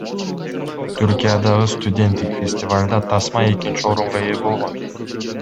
Түркиядагы студенттик фестивалда тасма экинчи орунга ээ болгон.